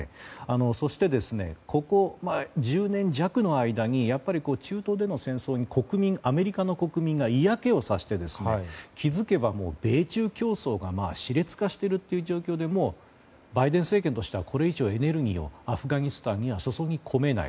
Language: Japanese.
そして、ここ１０年弱の間に中東での戦争にアメリカの国民が嫌気がさして気づけば米中競争が熾烈化しているという状況でバイデン政権としてはこれ以上エネルギーをアフガニスタンには注ぎ込めない。